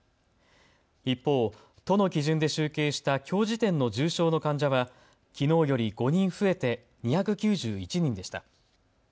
一方、都の基準で集計したきょう時点の重症の患者はきのうより５人増えて２９１人でした。